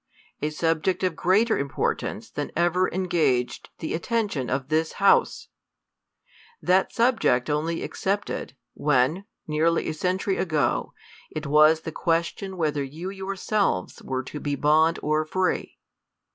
A subject of great er important than ever engaged the attention of this House ! That subject only excepted, when, nearly a century ago, it was the question Avhether you yourselves were to be bond or free.